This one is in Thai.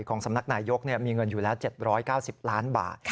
สำนักนายยกมีเงินอยู่แล้ว๗๙๐ล้านบาท